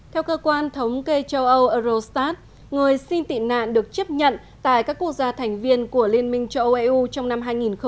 theo cơ quan thống kê châu âu eurostat người xin tị nạn được chấp nhận tại các quốc gia thành viên của liên minh châu âu eu trong năm hai nghìn một mươi chín